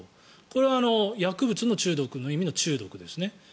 これは薬物の中毒の意味の中毒ですよね。